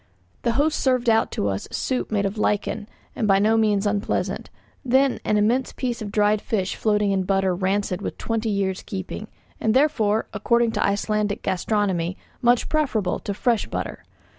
The host served out to us a soup made of lichen and by no means unpleasant, then an immense piece of dried fish floating in butter rancid with twenty years' keeping, and, therefore, according to Icelandic gastronomy, much preferable to fresh butter.